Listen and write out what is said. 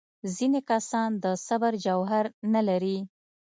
ځینې کسان د صبر جوهر نه لري.